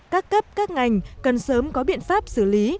các cấp các ngành cần sớm có biện pháp xử lý